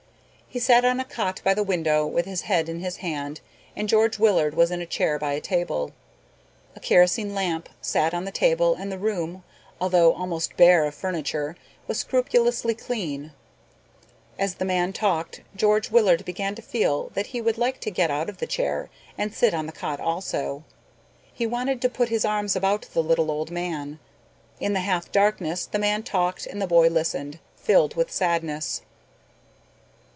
He sat on a cot by the window with his head in his hand and George Willard was in a chair by a table. A kerosene lamp sat on the table and the room, although almost bare of furniture, was scrupulously clean. As the man talked George Willard began to feel that he would like to get out of the chair and sit on the cot also. He wanted to put his arms about the little old man. In the half darkness the man talked and the boy listened, filled with sadness.